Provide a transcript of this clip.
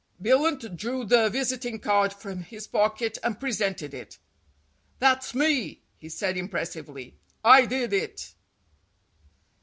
Billunt drew the visiting card from his pocket and presented it. "That's me," he said impressively. "I did it."